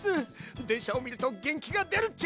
でんしゃをみるとげんきがでるっち！